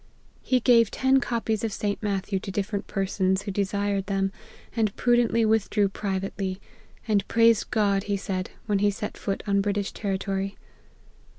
He gave ten copies of St. Matthew to different persons who desired them, and prudently withdrew private ly ; and praised God, he says, when he set foot on British territory.